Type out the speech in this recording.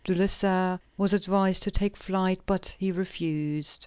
De Lessart was advised to take flight, but he refused.